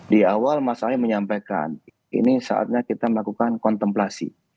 di awal mas ahy menyampaikan ini saatnya kita melakukan kontemplasi